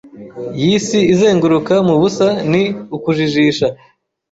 yisi izenguruka mubusa ni ukujijisha